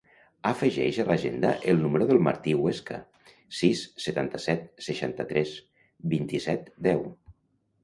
Afegeix a l'agenda el número del Martí Huesca: sis, setanta-set, seixanta-tres, vint-i-set, deu.